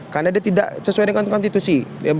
karena dia tidak sesuai dengan konstitusi